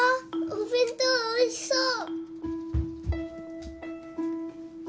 お弁当おいしそう！